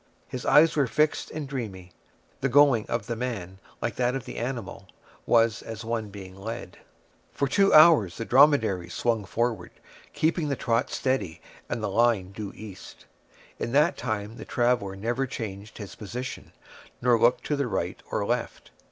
His eyes were fixed and dreamy. The going of the man, like that of the animal, was as one being led. For two hours the dromedary swung forward, keeping the trot steadily and the line due east. In that time the traveller never changed his position, nor looked to the right or left.